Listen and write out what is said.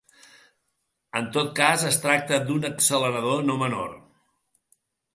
En tot cas, es tracta d’un ‘accelerador’ no menor.